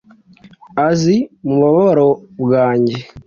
azi mubabaro bwanjye,